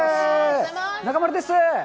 中丸です。